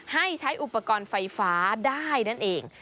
ให้ใช้อุปกรณ์ไฟฟ้าได้นั่นเอง